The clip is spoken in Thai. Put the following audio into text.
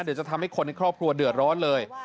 เดี๋ยวจะทำให้คนในครอบครัวเดือดร้อนเลย